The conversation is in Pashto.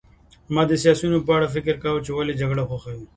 ما د سیاسیونو په اړه فکر کاوه چې ولې جګړه خوښوي